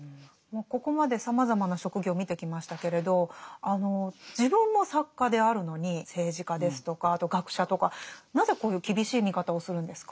ここまでさまざまな職業を見てきましたけれど自分も作家であるのに政治家ですとかあと学者とかなぜこういう厳しい見方をするんですか？